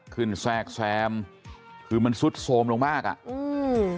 แทรกแซมคือมันซุดโทรมลงมากอ่ะอืม